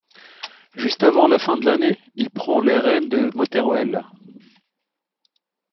Juste avant la fin de l'année, il prend les rênes de Motherwell.